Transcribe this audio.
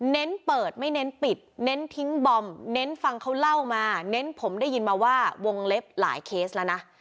เน้นเปิดไม่เน้นปิดเน้นทิ้งบอมเน้นฟังเขาเล่ามาเน้นผมได้ยินมาว่าวงเล็บหลายเคสแล้วนะ